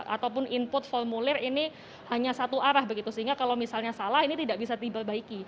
ataupun input formulir ini hanya satu arah begitu sehingga kalau misalnya salah ini tidak bisa diperbaiki